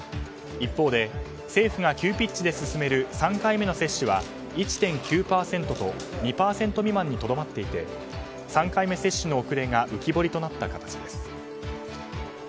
一方で政府が急ピッチで進める３回目の接種は１．９％と２％未満にとどまっていて３回目接種の遅れが浮き彫りとなった形です。